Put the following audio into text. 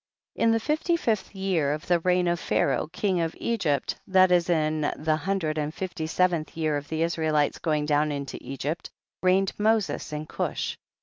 In the fifty fifth year of the reign of Pharaoh king of Egypt, that is in the hundred and fifty seventh year of the Israelites going down into Egypt, reigned Moses in Cush.